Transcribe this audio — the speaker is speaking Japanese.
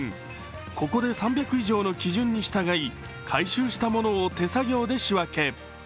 ここで３００以上の基準に従い回収したものを手作業で仕分け。